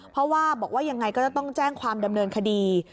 เพราะว่าบอกว่ายังไงก็จะต้องแจ้งความดำเนินคดี